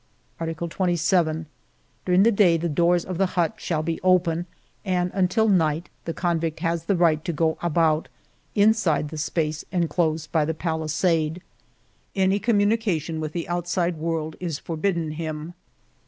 " Article 27. During the day the doors of the hut shall be open, and, until night, the convict has the right to go about inside the space enclosed by the palisade. " Any communication with the outside world is for bidden him.